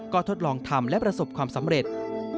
ก็ทดลองทำและประสบความสำเร็จ